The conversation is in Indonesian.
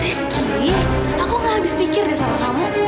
rizky aku gak habis pikir deh sama kamu